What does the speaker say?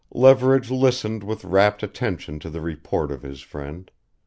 Leverage listened with rapt attention to the report of his friend.